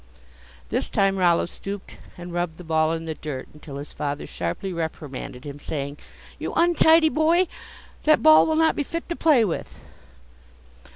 This time Rollo stooped and rubbed the ball in the dirt until his father sharply reprimanded him, saying, "You untidy boy; that ball will not be fit to play with!"